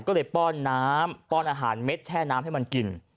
ก็เลยป้อนน้ำป้อนอาหารเม็ดแช่น้ำให้มันกิน